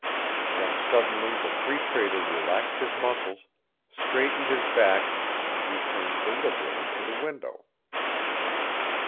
Then suddenly the Free Trader relaxed his muscles, straightened his back, and returned deliberately to the window.